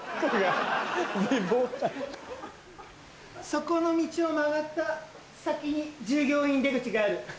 そこの道を曲がった先に従業員出口がある。